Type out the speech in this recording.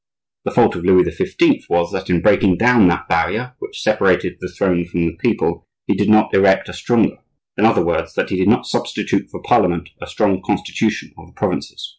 The fault of Louis XV. was, that in breaking down that barrier which separated the throne from the people he did not erect a stronger; in other words, that he did not substitute for parliament a strong constitution of the provinces.